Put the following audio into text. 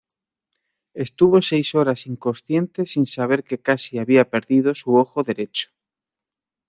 Estuvo seis horas inconsciente, sin saber que casi había perdido su ojo derecho.